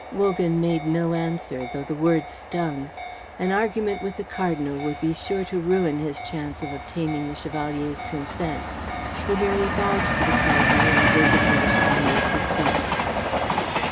Wogan made no answer, though the words stung. An argument with the Cardinal would be sure to ruin his chance of obtaining the Chevalier's consent. He merely bowed to the Cardinal and waited for the Chevalier to speak.